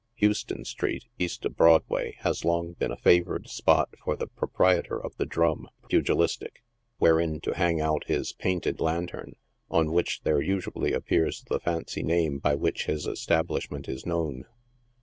Houston street, east of Broadway, has long been a favored spot for the proprietor of the " drum" pugilistic, wherein to hang out his painted lantern, on which there usually appears the fancy name by which his establishment is known.